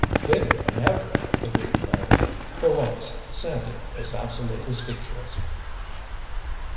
"Bigger than ever!" agreed Larry. For once Sandy was absolutely speechless.